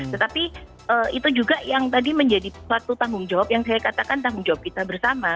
tetapi itu juga yang tadi menjadi satu tanggung jawab yang saya katakan tanggung jawab kita bersama